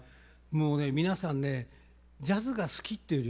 もうね皆さんねジャズが好きっていうよりね